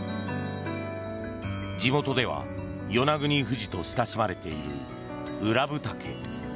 地元では与那国富士と親しまれている宇良部岳。